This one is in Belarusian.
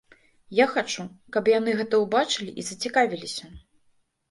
Я хачу, каб яны гэта ўбачылі і зацікавіліся.